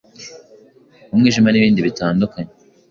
umwijima n’ibindi bitandukanye